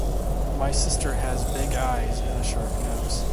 My sister has big eyes and a sharp nose.